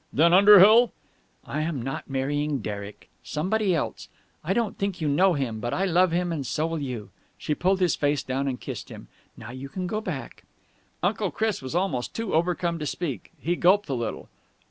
"Then Underhill...?" "I am not marrying Derek. Somebody else. I don't think you know him, but I love him, and so will you." She pulled his face down and kissed him. "Now you can go back." Uncle Chris was almost too overcome to speak. He gulped a little.